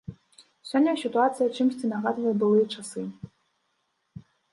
Сёння сітуацыя чымсьці нагадвае былыя часы.